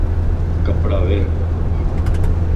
ڪپڙا ويڙھ